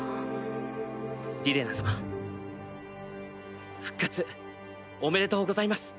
リレナ様復活おめでとうございます。